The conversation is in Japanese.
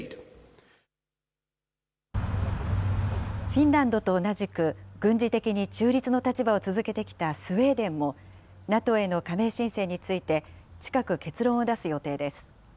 フィンランドと同じく軍事的に中立の立場を続けてきたスウェーデンも、ＮＡＴＯへの加盟申請について、近く結論を出す予定です。